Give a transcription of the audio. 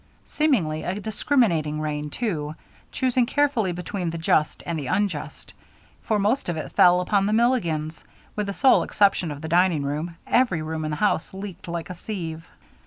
Seemingly a discriminating rain, too, choosing carefully between the just and the unjust, for most of it fell upon the Milligans. With the sole exception of the dining room, every room in the house leaked like a sieve.